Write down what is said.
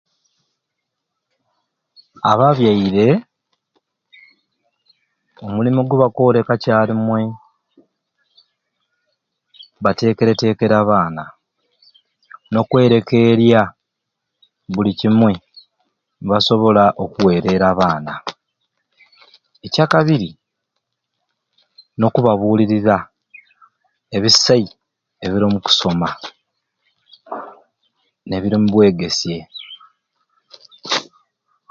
Ababyaire omulimu gwebakoore kakyarumwei batekeretekere abaana nokwerekeerya buli kimwei nibasobola okuwerera abaana. Ekyakabiri nokubabulirira ebisai ebiri omukusoma nebiri ombwegesye.